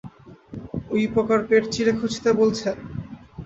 উইপোকার পেট চিরে খুঁজতে বলছেন?